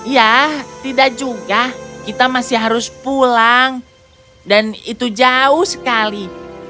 ya tidak juga kita masih harus pulang dan itu jauh sekali